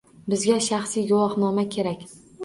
Bizga shaxsiy guvohnoma kerak.